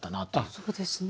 そうですね